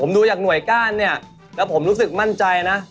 ผมดูแหละหน่วยก้านแล้วผมรู้สึกมั่นใจนะ